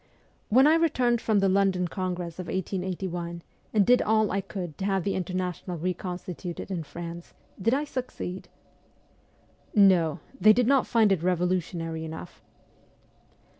' When I returned from the London congress of 1881, and did all I could to have the International \ reconstituted in France, did I succeed ?'' No. They did not find it revolutionary enough.'